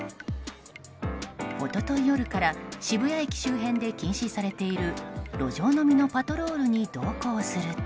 一昨日夜から渋谷駅周辺で禁止されている路上飲みのパトロールに同行すると。